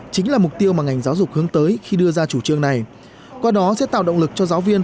chính là mục tiêu mà ngành giáo dục hướng tới khi đưa ra chủ trương này qua đó sẽ tạo động lực cho giáo viên